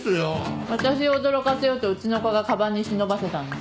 私を驚かせようとうちの子がかばんに忍ばせたんです。